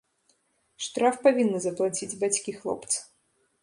Штраф павінны заплаціць бацькі хлопца.